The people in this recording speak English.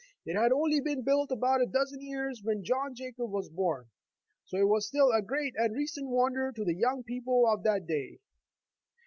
It had only been built about a dozen years when John Jacob was born, so it was still a great and recent wonder to the young people of that day.